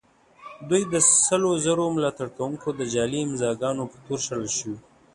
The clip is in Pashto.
دوی د سلو زرو ملاتړ کوونکو د جعلي امضاء ګانو په تور شړل شوي.